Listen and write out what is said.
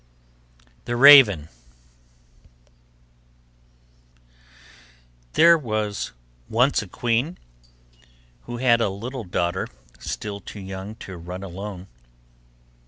THE RAVEN There was once a queen who had a little daughter, still too young to run alone.